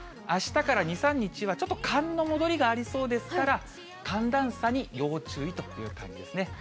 あしたから２、３日はちょっと寒の戻りがありそうですから、寒暖差に要注意という感じですね。